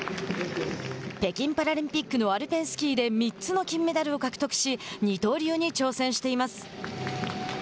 北京パラリンピックのアルペンスキーで３つの金メダルを獲得し二刀流に挑戦しています。